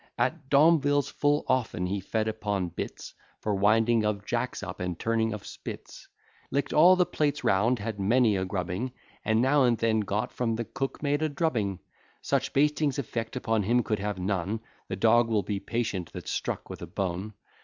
At Domvile's full often he fed upon bits, For winding of jacks up, and turning of spits; Lick'd all the plates round, had many a grubbing, And now and then got from the cook maid a drubbing; Such bastings effect upon him could have none: The dog will be patient that's struck with a bone.